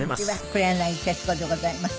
黒柳徹子でございます。